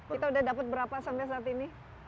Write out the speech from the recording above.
kita udah dapat berapa sampai saat ini